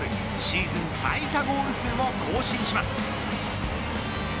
シーズン最多ゴール数も更新します。